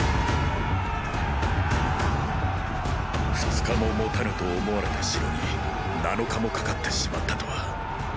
二日ももたぬと思われた城に七日もかかってしまったとは。